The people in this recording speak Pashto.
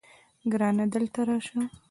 ګرانه دلته راشه